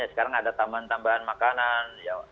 sekarang ada tambahan tambahan makanan